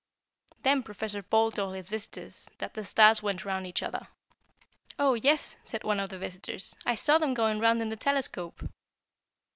"Then Professor Ball told his visitors that the stars went round each other. "'Oh, yes!' said one of the visitors. 'I saw them going round in the telescope.'